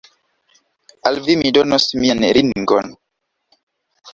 Al vi mi donos mian ringon.